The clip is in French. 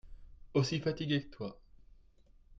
Aussi fatigué que toi.